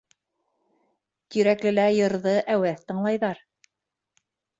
Тирәклелә йырҙы әүәҫ тыңлайҙар.